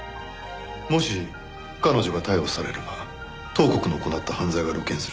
もし彼女が逮捕されれば東国の行った犯罪が露見する。